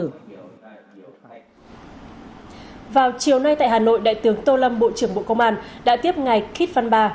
vào chiều nay tại hà nội đại tướng tô lâm bộ trưởng bộ công an đã tiếp ngày kitt van ba